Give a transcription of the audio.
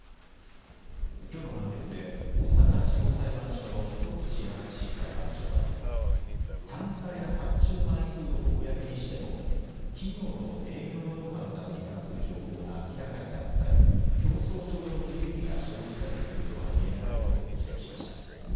きょうの判決で大阪地方裁判所の徳地淳裁判長は単価や発注枚数を公にしても企業の営業ノウハウなどに関する情報が明らかになったり競争上の不利益が生じたりするとはいえないと指摘しました。